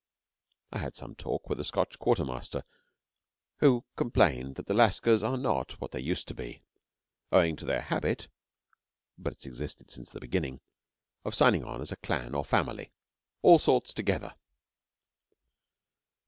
I had some talk with a Scotch quartermaster who complained that lascars are not what they used to be, owing to their habit (but it has existed since the beginning) of signing on as a clan or family all sorts together.